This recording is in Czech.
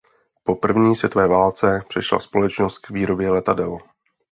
Po první světové válce přešla společnost k výrobě letadel.